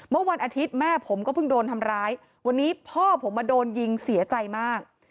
เมื่อวันอาทิตย์แม่ผมก็เพิ่งโดนทำร้ายวันนี้พ่อผมมาโดนยิงเสียใจมาก